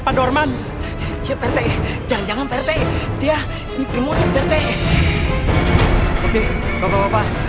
pada orman seperti jangan jangan pertanyaan dia ini bermudut